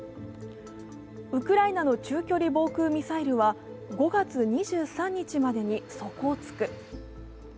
ウクライナの中距離防空ミサイルは５月２３日までに底をつく。